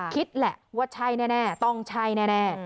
คิดแหละว่าใช่แน่ต้องใช่แน่